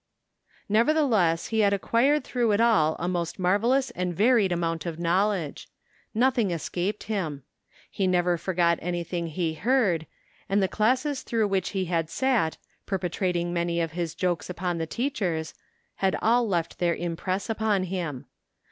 Nevertheless he had acquired through it all a most marvellous and varied amount of knowledge. Noth ing escaped him. He never forgot anything he heard, and the classes through which he had sat, perpetrating many of his jokes upon the teachers, had all left their impress upon him.